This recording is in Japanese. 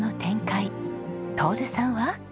徹さんは？